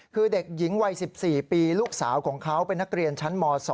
คือเด็กหญิงวัย๑๔ปีลูกสาวของเขาเป็นนักเรียนชั้นม๒